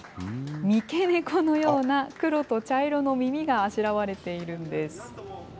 三毛猫のような、黒と茶色の耳があしらわれているんです。